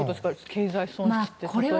経済損失って。